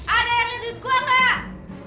ada yang liat duit gue enggak